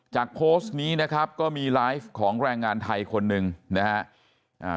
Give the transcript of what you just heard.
โพสต์นี้นะครับก็มีไลฟ์ของแรงงานไทยคนหนึ่งนะฮะ